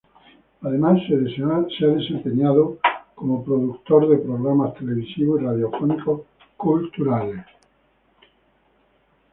Además se ha desempeñado como productor de programas televisivos y radiofónicos culturales.